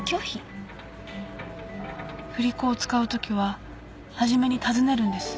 振り子を使うときは初めに尋ねるんです